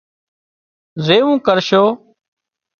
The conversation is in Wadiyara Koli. زيوون ڪرشو